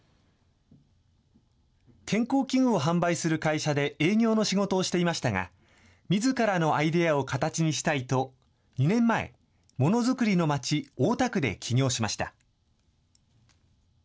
健康器具を販売する会社で営業の仕事をしていましたが、みずからのアイデアを形にしたいと、２年前、ものづくりの町、大田区で起業しました。